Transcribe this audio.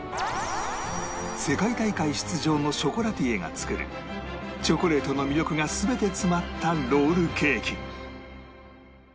世界大会出場のショコラティエが作るチョコレートの魅力が全て詰まったロールケーキ